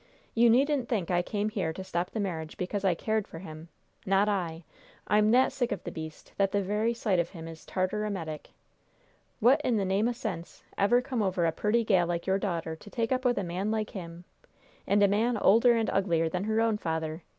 You needn't think I came here to stop the marriage because I cared for him! Not I! I'm that sick of the beast that the very sight of him is tartar emetic! What i' the name o' sense ever come over a purty gal like your daughter to take up with a man like him? And a man older and uglier than her own father?